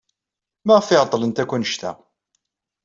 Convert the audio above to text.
Maɣef ay ɛeḍḍlent akk anect-a?